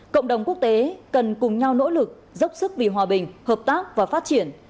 cộng đồng quốc tế cần cùng nhau nỗ lực dốc sức vì hòa bình hợp tác và phát triển